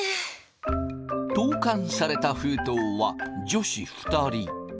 投かんされた封筒は女子２人。